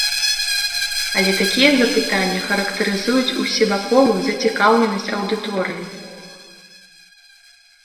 Але такія запытанні характарызуюць усебаковую зацікаўленасць аўдыторыі.